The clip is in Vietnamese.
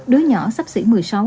đối nhỏ sắp xỉ một mươi sáu